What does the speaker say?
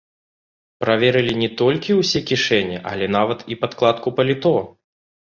Праверылі не толькі ўсе кішэні, але нават і падкладку паліто!